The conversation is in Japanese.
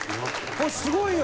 これすごいよ！